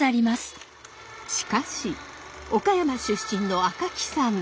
しかし岡山出身の赤木さん。